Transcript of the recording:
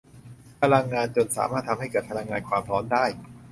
พลังงานจลน์สามารถทำให้เกิดพลังงานความร้อนได้